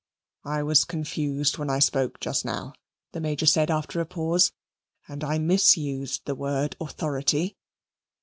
"I was confused when I spoke just now," the Major said after a pause, "and I misused the word authority."